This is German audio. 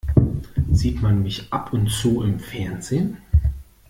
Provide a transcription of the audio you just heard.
Sieht man mich ab und zu im Fernsehen?